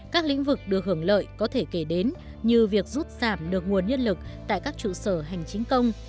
các lĩnh vực được hưởng lợi có thể kể đến như việc rút giảm được nguồn nhân lực tại các trụ sở hành chính công